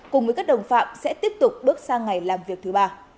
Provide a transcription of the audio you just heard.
cùng với các đồng phạm sẽ tiếp tục bước sang ngày làm việc thứ ba